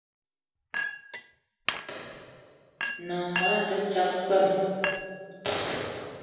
N’nagono a te tsag kpwem.